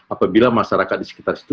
apabila masyarakat disekitar situ